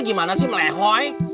gimana sih melehoi